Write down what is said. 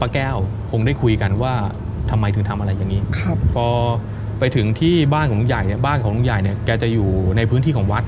แกจะอยู่ในพื้นที่ของวัด